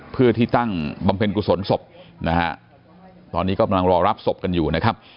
เพื่อที่ตั้งบำเพ็นกุศลศพตอนนี้ก็รอรับศพกันอยู่